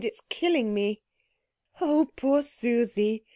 It's killing me." "Oh, poor Susie!"